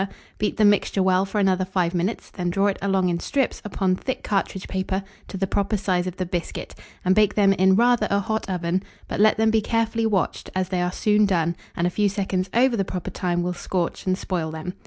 beat the mixture well for another 5 minutes, then draw it along in strips upon thick cartridge paper to the proper size of the biscuit, and bake them in rather a hot oven; but let them be carefully watched, as they are soon done, and a few seconds over the proper time will scorch and spoil them.